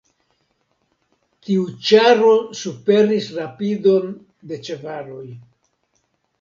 Tiu ĉaro superis rapidon de ĉevaloj.